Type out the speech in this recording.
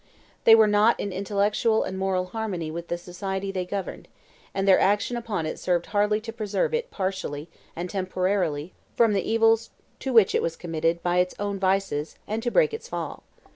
They were not in intellectual and moral harmony with the society they governed, and their action upon it served hardly to preserve it partially and temporarily from the evils to which it was committed by its own vices and to break its fall.